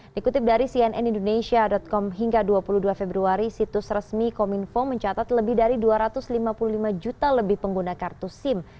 dikutip dari cnn indonesia com hingga dua puluh dua februari situs resmi kominfo mencatat lebih dari dua ratus lima puluh lima juta lebih pengguna kartu sim